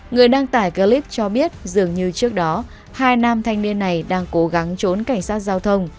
người đăng tải clip cho biết dường như trước đó hai nam thanh niên này đang cố gắng trốn cảnh sát giao thông